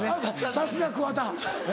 さすが桑田。